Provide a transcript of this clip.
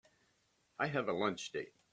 I have a lunch date.